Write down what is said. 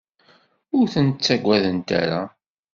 Ur ten-ttagadent ara.